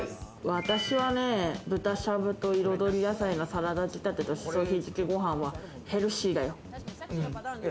私はね、豚しゃぶと彩り野菜のサラダ仕立てとしそひじきご飯はヘルシーだよ。